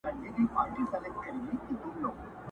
مسیحا چي مي اکسیر جو کړ ته نه وې!.